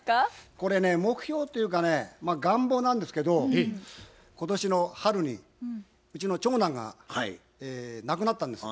これね目標というかね願望なんですけど今年の春にうちの長男が亡くなったんです。